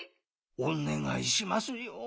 おねがいしますよ。